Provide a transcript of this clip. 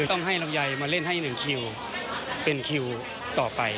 คือต้องให้ลำยายมาเล่นให้หนึ่งคิวเป็นคิวต่อไป